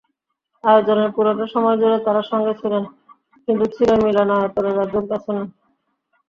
আয়োজনের পুরোটা সময় জুড়ে তাঁরা সঙ্গে ছিলেন, কিন্তু ছিলেন মিলনায়তনের একদম পেছনে।